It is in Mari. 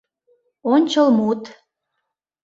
Ончылмут